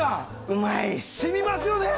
うまい！しみますよね？